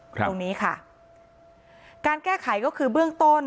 ตรงนี้ค่ะการแก้ไขก็คือเบื้องต้น